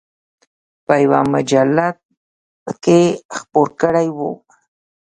په یوه مجلد کې خپور کړی و.